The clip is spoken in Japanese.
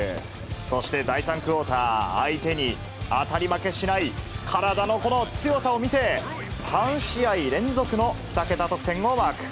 そして、第３クオーター、相手に当たり負けしない体のこの強さを見せ、３試合連続の２桁得点をマーク。